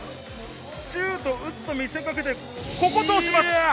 シュートを打つと見せかけて、ここを通します。